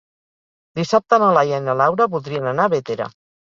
Dissabte na Laia i na Laura voldrien anar a Bétera.